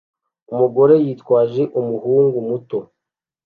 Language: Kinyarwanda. Umugore yitwaje umuhungu muto